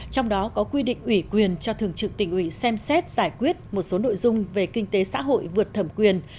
trong đó có quy định ủy quyền cho thường trực tỉnh ủy xem xét giải quyết một số nội dung về kinh tế xã hội vượt thẩm quyền